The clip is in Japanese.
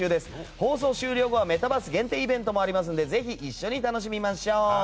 放送終了後はメタバース限定イベントもありますのでぜひ一緒に楽しみましょう。